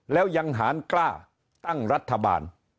แล้วยังหารกล้าตั้งรัฐบาล